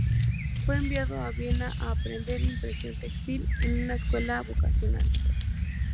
Fue enviado a Viena a aprender impresión textil en una escuela vocacional.